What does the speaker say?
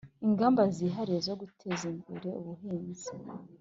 ingamba zihariye zo guteza imbere ubuhinzi